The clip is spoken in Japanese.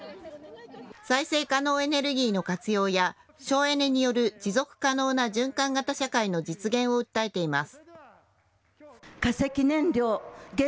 再生可能エネルギーの活用や、省エネによる持続可能な循環型社会の実現を訴えています。